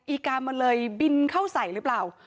อีกามันเลยบินเข้าใส่หรือเปล่า